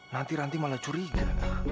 nanti ranti malah curiga